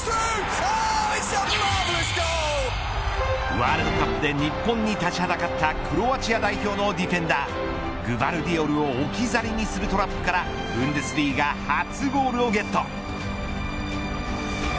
ワールドカップで日本に立ちはだかったクロアチア代表のディフェンダーグバルディオルを置き去りにするトラップからブンデスリーガ初ゴールをゲット。